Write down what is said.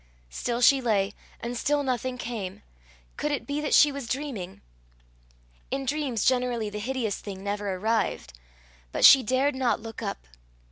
Still she lay, and still nothing came. Could it be that she was dreaming? In dreams generally the hideous thing never arrived. But she dared not look up.